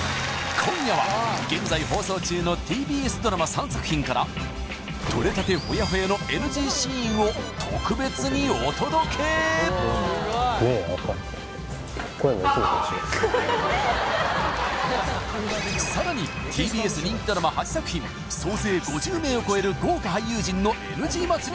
今夜は現在放送中のＴＢＳドラマ３作品から撮れたてホヤホヤのＮＧシーンを特別にお届け目赤い声もいつもと違うさらにＴＢＳ人気ドラマ８作品総勢５０名を超える豪華俳優陣のＮＧ祭り